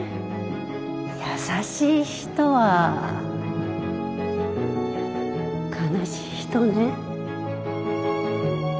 優しい人は悲しい人ね。